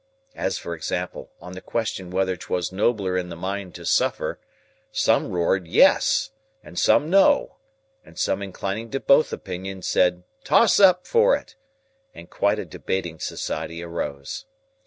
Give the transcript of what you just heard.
As for example; on the question whether 'twas nobler in the mind to suffer, some roared yes, and some no, and some inclining to both opinions said "Toss up for it;" and quite a Debating Society arose.